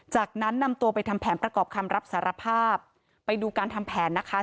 จากนั้นนำตัวไปทำแผนประกอบคำรับสารภาพไปดูการทำแผนนะคะ